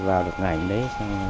vào được ngành đấy